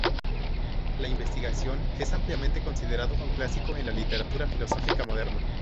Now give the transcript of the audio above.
La "Investigación" es ampliamente considerado un clásico en la literatura filosófica moderna.